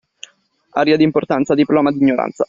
Aria d'importanza, diploma di ignoranza.